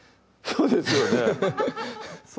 そうですよね